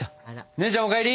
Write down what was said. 姉ちゃんお帰り！